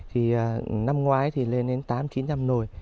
thì năm ngoái thì lên đến tám trăm linh chín trăm linh nồi